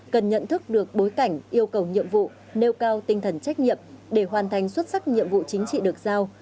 cần nhận thức được bối cảnh yêu cầu nhiệm vụ nêu cao tinh thần trách nhiệm để hoàn thành xuất sắc nhiệm vụ chính trị được giao